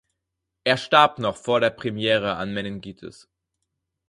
Er starb noch vor der Premiere an Meningitis.